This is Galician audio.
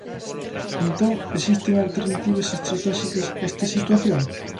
Entón, existen alternativas estratéxicas a esta situación?